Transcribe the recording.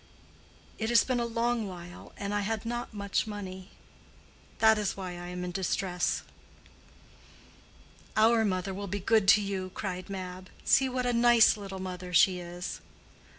It has been a long while, and I had not much money. That is why I am in distress." "Our mother will be good to you," cried Mab. "See what a nice little mother she is!"